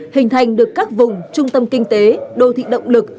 hình thành được các vùng trung tâm kinh tế đô thị động lực